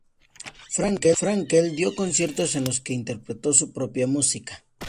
Frenkel dio conciertos en los que interpretó su propia música.